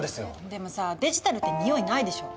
でもさあデジタルって匂いないでしょ。